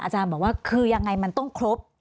อาจารย์บอกว่าคือยังไงมันต้องครบ